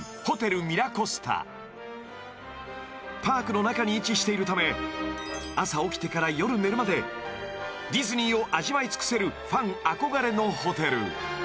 ［パークの中に位置しているため朝起きてから夜寝るまでディズニーを味わい尽くせるファン憧れのホテル］